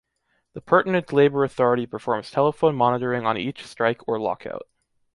The pertinent labor authority performs telephone monitoring on each strike or lockout.